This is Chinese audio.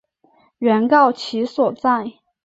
原告其所在！